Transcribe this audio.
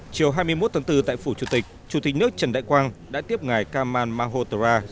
chiều hai mươi một tháng bốn tại phủ chủ tịch chủ tịch nước trần đại quang đã tiếp ngài kamal manhotra